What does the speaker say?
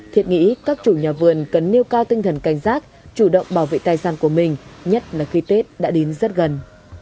thiệt nghĩ các chủ nhà vườn cần nêu cao tinh thần cảnh giác chủ động bảo vệ tài sản của mình nhất là khi tết đã đến rất gần